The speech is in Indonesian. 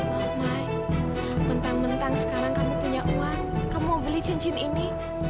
oh my mentang mentang sekarang kamu punya uang kamu beli cincin ini